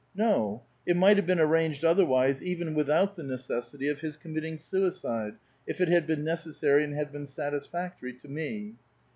No ; it migbt have been arranged otherwise even without the necessity of his committing suicide, if it had been necessary and had been satisfactory to me.